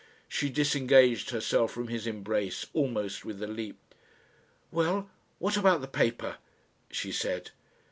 She disengaged herself from his embrace, almost with a leap. "Well! what about the paper?" she said.